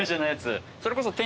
それこそ。